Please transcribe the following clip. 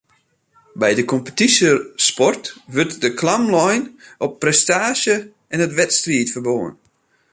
By de kompetysjesport wurdt de klam lein op prestaasje en it wedstriidferbân